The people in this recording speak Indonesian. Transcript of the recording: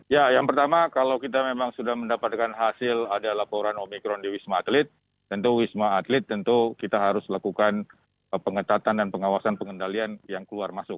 ya yang pertama kalau kita memang sudah mendapatkan hasil ada laporan omikron di wisma atlet tentu wisma atlet tentu kita harus lakukan pengetatan dan pengawasan pengendalian yang keluar masuk